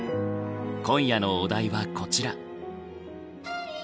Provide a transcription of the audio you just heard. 今夜のお題はこちら。